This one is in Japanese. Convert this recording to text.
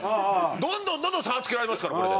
どんどんどんどん差つけられますからこれで。